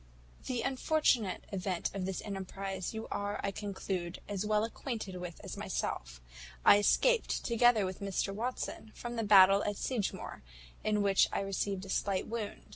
"The unfortunate event of this enterprize, you are, I conclude, as well acquainted with as myself. I escaped, together with Mr Watson, from the battle at Sedgemore, in which action I received a slight wound.